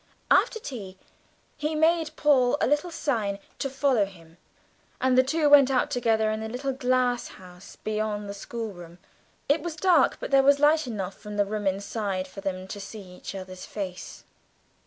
After tea, he made Paul a little sign to follow him, and the two went out together into the little glass house beyond the schoolroom; it was dark, but there was light enough from the room inside for them to see each other's face.